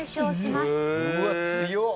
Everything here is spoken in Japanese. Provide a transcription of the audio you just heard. うわっ強っ！